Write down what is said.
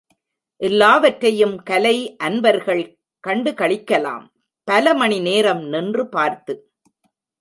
எல்லாவற்றையும் கலை அன்பர்கள் கண்டுகளிக்கலாம் பல மணி நேரம் நின்று பார்த்து.